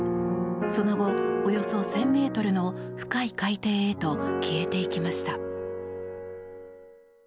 その後、およそ１０００ｍの深い海底へと消えていきました。